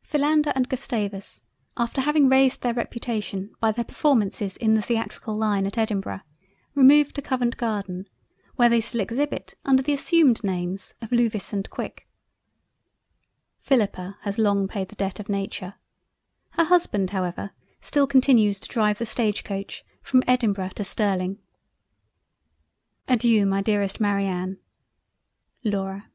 Philander and Gustavus, after having raised their reputation by their Performances in the Theatrical Line at Edinburgh, removed to Covent Garden, where they still exhibit under the assumed names of Luvis and Quick. Philippa has long paid the Debt of Nature, Her Husband however still continues to drive the Stage Coach from Edinburgh to Sterling:— Adeiu my Dearest Marianne. Laura.